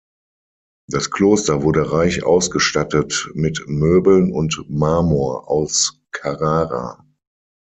Das Kloster wurde reich ausgestattet mit Möbeln und Marmor aus Carrara.